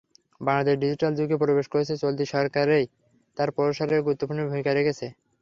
Bangladesh digital যুগে প্রবেশ করেছে, চলতি সরকারই তার প্রসারে গুরুত্বপূর্ণ ভূমিকা রেখেছে।